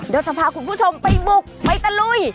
เดี๋ยวจะพาคุณผู้ชมไปบุกไปตะลุย